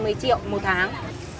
mấy triệu một tháng